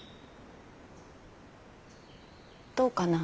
どうかな？